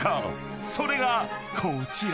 ［それがこちら］